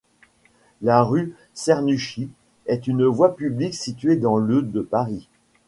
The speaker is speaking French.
La rue Cernuschi est une voie publique située dans le de Paris.